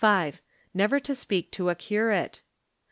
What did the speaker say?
Never to speak to a Curate.